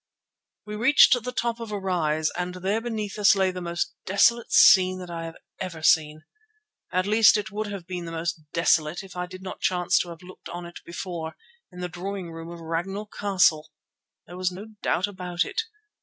We reached the top of a rise, and there beneath us lay the most desolate scene that ever I have seen. At least it would have been the most desolate if I did not chance to have looked on it before, in the drawing room of Ragnall Castle! There was no doubt about it.